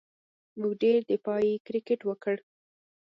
موږ ډېر دفاعي کرېکټ وکړ.